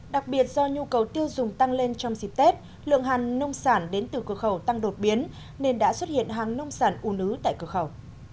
đặc biệt do nhu cầu tiêu dùng tăng lên trong dịp tết lượng hàng nông sản đến từ cửa khẩu tăng đột biến nên đã xuất hiện hàng nông sản u nứ tại cửa khẩu